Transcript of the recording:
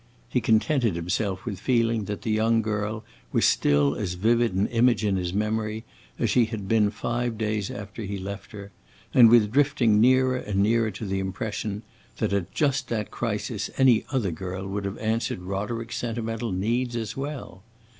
He contented himself with feeling that the young girl was still as vivid an image in his memory as she had been five days after he left her, and with drifting nearer and nearer to the impression that at just that crisis any other girl would have answered Roderick's sentimental needs as well.